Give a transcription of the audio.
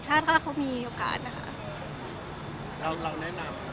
ถ้าเขามีโอกาสนะคะ